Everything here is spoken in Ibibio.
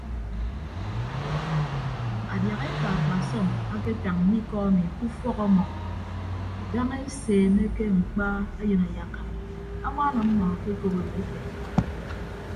Adiahaeka akpasọm aketañ mme ikọ emi ke ufọk ọmọ daña eseemeke mkpa eyịn ayakka añwaan ọmmọ akekop odo ete.